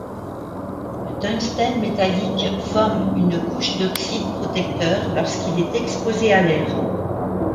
Le tungstène métallique forme une couche d'oxyde protecteur lorsqu'il est exposé à l'air.